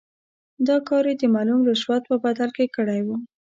دا کار یې د معلوم رشوت په بدل کې کړی وو.